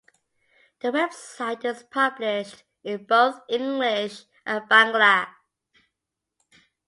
The website is published in both English and Bangla.